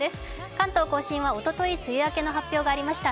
関東甲信はおととい、梅雨明けの発表がありました。